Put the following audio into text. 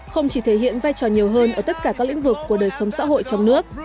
không chỉ thể hiện vai trò nhiều hơn ở tất cả các lĩnh vực của đời sống xã hội trong nước